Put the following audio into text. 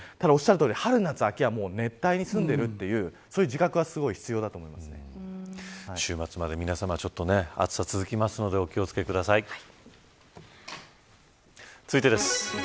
ただ、おっしゃるとおり春、夏、秋は熱帯に住んでいる週末まで皆さま暑さが続くのでお気を付けください。続いてです。